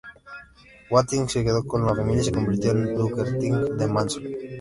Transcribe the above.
Watkins se quedó con la Familia y se convirtió en lugarteniente de Manson.